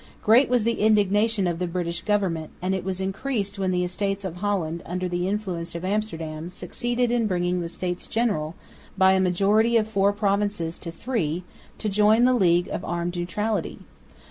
Great was the indignation of the British government, and it was increased when the Estates of Holland, under the influence of Amsterdam, succeeded in bringing the States General (by a majority of four provinces to three) to join the League of Armed Neutrality.